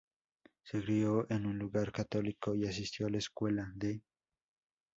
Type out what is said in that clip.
Se crio en un lugar católico y asistió a la escuela de St.